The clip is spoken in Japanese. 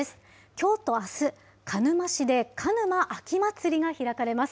きょうとあす、鹿沼市で鹿沼秋まつりが開かれます。